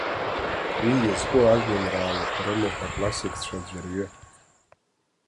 Уи иазку ажәеинраалақәа рымоуп аклассикцәа аӡәырҩы.